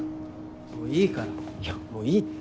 もういいからもういいって。